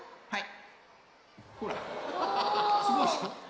はい！